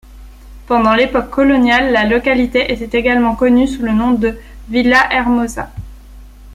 Pendant l'époque coloniale, la localité était également connue sous le nom de Villahermosa.